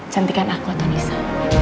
cantikkan aku atau nisa